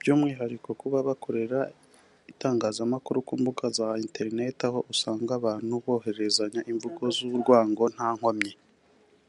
by’umwihariko ku bakorera itangazamakuru ku mbuga za internet aho usanga abantu bohererezanya imvugo z’urwango nta komyi